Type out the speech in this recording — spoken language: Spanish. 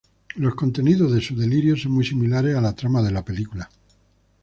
Los contenidos de su delirio son muy similares a la trama de la película.